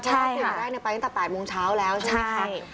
เพราะว่าสิ่งแรกไปตั้งแต่๘โมงเช้าแล้วใช่ไหมคะ